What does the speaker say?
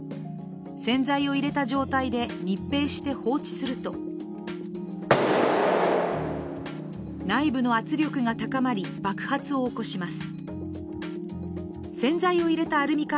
洗剤を入れた状態で密閉して放置すると内部の圧力が高まり、爆発を起こします。